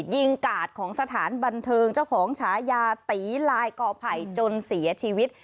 กาดของสถานบันเทิงเจ้าของฉายาตีลายกอไผ่จนเสียชีวิต